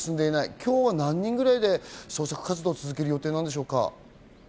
今日は何人ぐらいで捜索活動を続ける予定でしょうか？